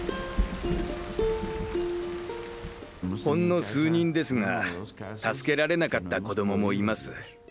ほんの数人ですが助けられなかった子どももいます。